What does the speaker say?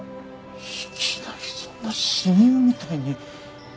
いきなりそんな親友みたいに。